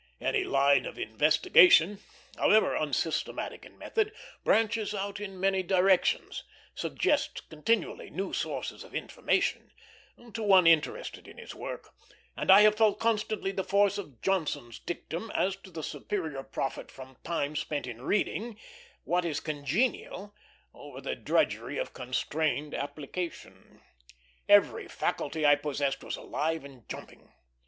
Any line of investigation, however unsystematic in method, branches out in many directions, suggests continually new sources of information, to one interested in his work; and I have felt constantly the force of Johnson's dictum as to the superior profit from time spent in reading what is congenial over the drudgery of constrained application. Every faculty I possessed was alive and jumping.